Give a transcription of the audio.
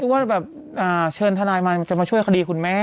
ว่าแบบเชิญทนายมาจะมาช่วยคดีคุณแม่